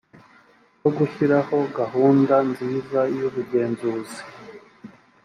rwo gushyiraho gahunda nziza y ubugenzuzi